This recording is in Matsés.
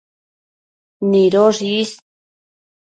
nidosh is